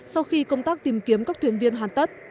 sau khi công tác tìm kiếm các thuyền viên hoàn tất